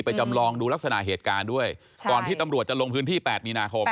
จำลองดูลักษณะเหตุการณ์ด้วยก่อนที่ตำรวจจะลงพื้นที่๘มีนาคม